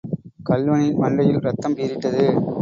கள்வனின் மண்டையில் ரத்தம் பீறிட்டது.